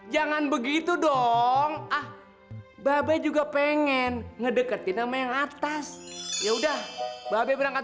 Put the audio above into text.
jangan begitu dong ah babe juga pengen ngedeketin sama yang atas ya udah babe berangkat